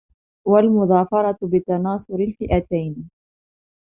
وَالْمُظَافَرَةُ بِتَنَاصُرِ الْفِئَتَيْنِ